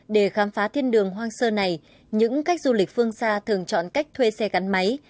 để khám phá thiên đường hoang sơ này những khách du lịch phương xa thường chọn cách thuê xe gắn máy